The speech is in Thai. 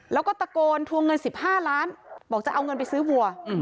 แล้วก็ตะโกนทวงเงิน๑๕ล้านบอกจะเอาเงินไปซื้อวัว